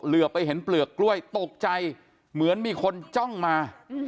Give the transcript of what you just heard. เหลือไปเห็นเปลือกกล้วยตกใจเหมือนมีคนจ้องมา